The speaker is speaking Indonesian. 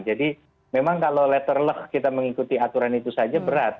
jadi memang kalau letter luck kita mengikuti aturan itu saja berat